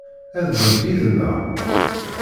Ad d-ddunt yid-neɣ?